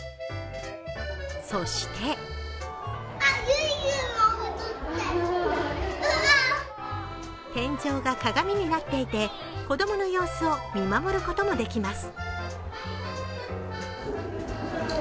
そして天井が鏡になっていて子供の様子を見守ることもできます。